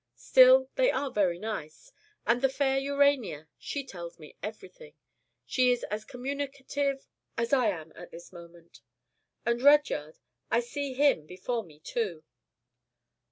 Still they are very nice. And the fair Urania. She tells me everything. She is as communicative ... as I am at this moment. And Rudyard: I see him before me too."